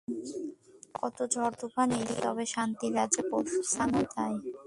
কত ঝড় তুফান এড়িয়ে গেলে তবে শান্তির রাজ্যে পৌঁছান যায়।